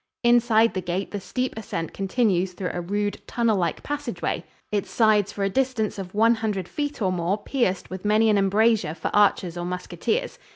Inside the gate the steep ascent continues through a rude, tunnellike passageway, its sides for a distance of one hundred feet or more pierced with many an embrasure for archers or musketeers.